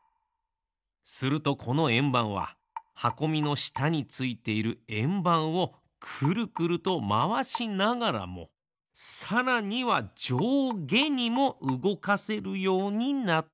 するとこのえんばんははこみのしたについているえんばんをくるくるとまわしながらもさらにはじょうげにもうごかせるようになったのです。